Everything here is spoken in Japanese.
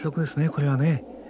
これはね。